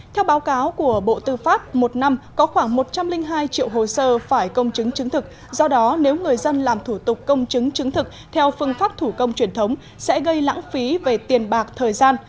theo báo cáo của bộ tư pháp một năm có khoảng một trăm linh hai triệu hồ sơ phải công chứng chứng thực do đó nếu người dân làm thủ tục công chứng chứng thực theo phương pháp thủ công truyền thống sẽ gây lãng phí về tiền bạc thời gian